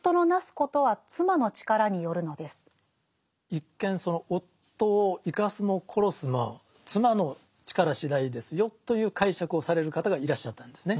一見その夫を生かすも殺すも妻の力しだいですよという解釈をされる方がいらっしゃったんですね。